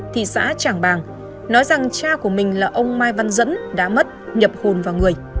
thị xã trảng bàng nói rằng cha của mình là ông mai văn dẫn đã mất nhập hồn vào người